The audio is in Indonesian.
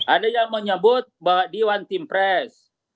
ada yang menyebut diwan tim pres